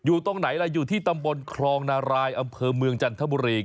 ตรงไหนล่ะอยู่ที่ตำบลครองนารายอำเภอเมืองจันทบุรี